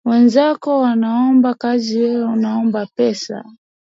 Wenzako wanaomba kazi wewe unaomba pesa.